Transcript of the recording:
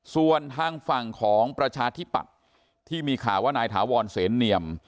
ส่วนทางฝั่งของประชาธิปัตย์ที่มีข่าวว่านายถาวรเสนเนียม